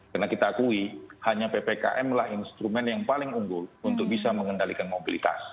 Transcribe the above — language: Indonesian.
karena kita akui hanya ppkm lah instrumen yang paling unggul untuk bisa mengendalikan mobilitas